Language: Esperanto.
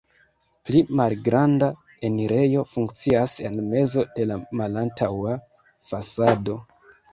Pli malgranda enirejo funkcias en mezo de la malantaŭa fasado.